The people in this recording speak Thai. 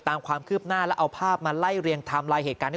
ตามความคืบหน้าแล้วเอาภาพมาไล่เรียงไทม์ไลน์เหตุการณ์นี้